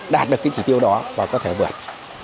đạt được cái chỉ tiêu đó và có thể vượt